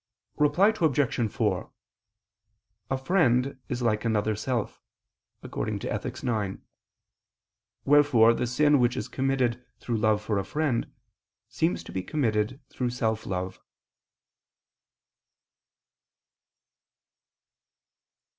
Reply Obj. 4: A friend is like another self (Ethic. ix): wherefore the sin which is committed through love for a friend, seems to be committed through self love.